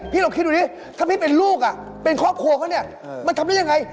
พี่เราคิดอยู่นี่ถ้าพี่เป็นลูกเป็นครอบครัวเขามันทำได้อย่างไร